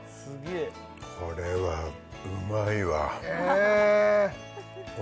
これはうまいわえーっ！